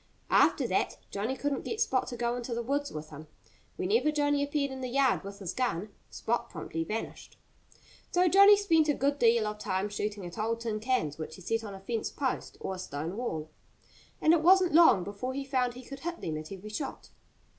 After that Johnnie couldn't get Spot to go into the woods with him. Whenever Johnnie appeared in the yard with his gun, Spot promptly vanished. So Johnnie spent a good deal of time shooting at old tin cans which he set on a fence post or a stone wall. And it wasn't long before he found he could hit them at every shot.